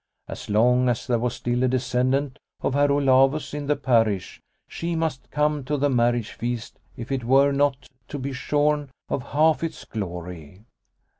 As long as there was still a descendant of Herr Olavus in the parish she must come to the marriage feast if it were not to be shorn of half its glory.